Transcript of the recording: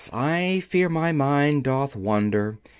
I fear my mind doth wander.